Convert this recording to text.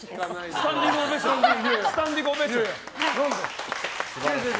スタンディングオベーション。